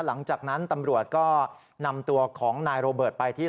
หลังจากนั้นตำรวจก็นำตัวของนายโรเบิร์ตไปที่